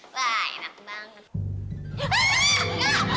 wah enak banget